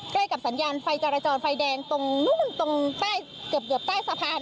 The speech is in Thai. ใกล้กับสัญญาณไฟจรจรไฟแดงตรงนู้นตรงใต้เกือบใต้สะพาน